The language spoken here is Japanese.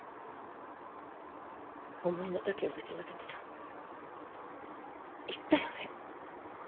思いの丈をぶちまけたら言ったよね？